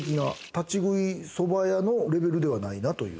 立ち食い蕎麦屋のレベルではないなという。